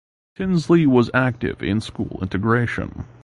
Tinsley was active in school integration.